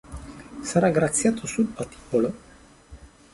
Sarà graziato sul patibolo.